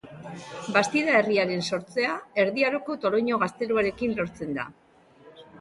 Bastida herriaren sortzea Erdi Aroko Toloñoko gazteluarekin lotzen da.